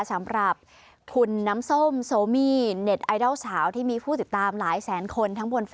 สำหรับคุณน้ำส้มโซมีเน็ตไอดัลสาว